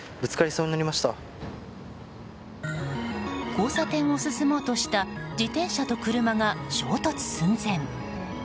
交差点を進もうとした自転車と車が、衝突寸前！